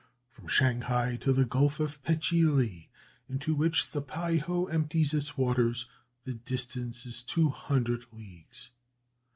From Shanghai to the Gulf of Petchi li, into which the Peiho empties its waters, the distance is two hundred leagues.